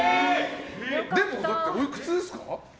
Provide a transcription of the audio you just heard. でも、おいくつですか？